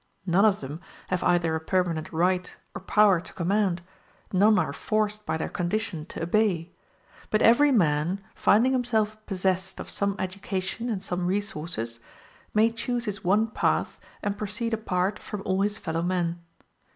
None of them have either a permanent right or power to command none are forced by their condition to obey; but every man, finding himself possessed of some education and some resources, may choose his won path and proceed apart from all his fellow men.